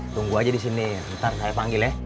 tunggu aja disini ntar saya panggil ya